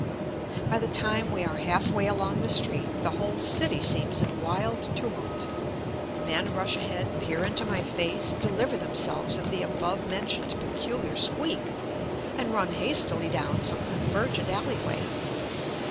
By the time we are half way along the street the whole city seems in wild tumult. Men rush ahead, peer into my face, deliver themselves of the above mentioned peculiar squeak, and run hastily down some convergent alley way.